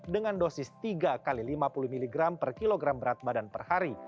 dengan dosis tiga x lima puluh mg per kilogram berat badan per hari